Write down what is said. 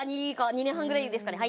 ２年半ぐらいですかね。